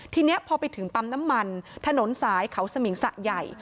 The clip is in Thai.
ทีนี้พอไปถึงปั๊มน้ำมันถนนสายเขาสมิงสะใหญ่